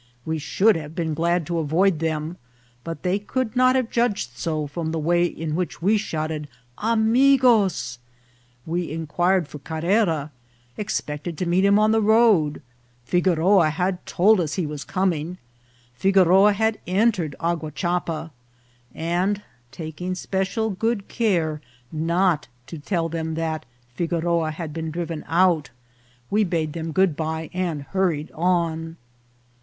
We should have been glad to avoid them, but they could not have judged so from the way in which we shouted " amigos !" We inquired for Car rera ; expected to meet him on the road ; Figoroa had told us he was coming ; Figoroa had entered Aguacha pa ; and, taking special good care not to tell them that Figoroa had been* driven out, we bade them good by and hurried on.